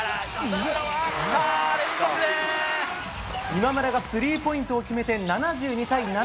今村がスリーポイントを決めて、７２対７４。